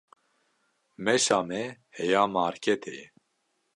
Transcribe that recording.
Meşa me heya marketê ye.